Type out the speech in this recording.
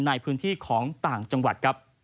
ในพื้นที่ของต่างจังหวัดครับ